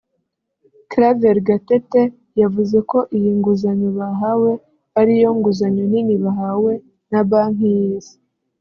Claver Gatete yavuze ko iyi nguzanyo bahawe ariyo nguzanyo nini bahawe na banki y’isi